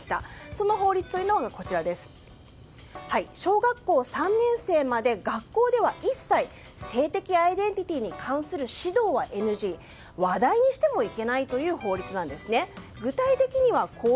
その法律が小学校３年生まで学校では一切性的アイデンティティーに関する指導はＮＧ話題にしてもいけないという法律です。